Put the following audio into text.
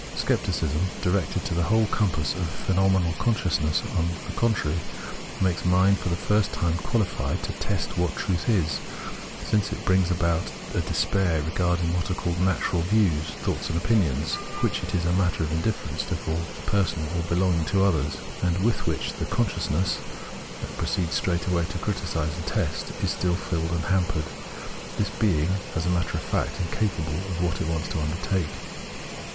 Scepticism, directed to the whole compass of phenomenal con sciousness, on the contrary, makes mind for the first time quahfied to test what truth is ; since it brings about a despair regarding what are called natural views, thoughts, and opinions, which it is matter of indifference to call personal or belonging to others, and with which the consciousness, that proceeds straight 80 Phencnnenology of Mind away to criticise and test, is still filled and hampered, thus being, as a matter of fact, incapable of what it wants to undertake.